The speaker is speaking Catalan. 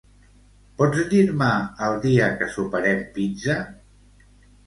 Pots dir-me el dia que soparem pizza?